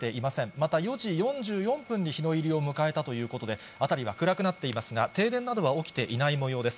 また４時４４分に日の入りを迎えたということで、辺りは暗くなっていますが、停電などは起きていないもようです。